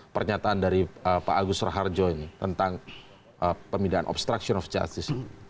pernyataan dari pak agus raharjo ini tentang pemindahan obstruction of justice